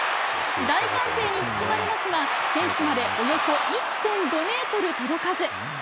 大歓声に包まれますが、フェンスまでおよそ１．５メートル届かず。